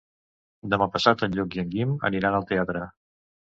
Demà passat en Lluc i en Guim aniran al teatre.